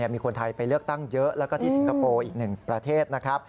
มีคนไทยไปเลือกตั้งเยอะแล้วก็ที่สิงคโปร์อีก๑ประเทศ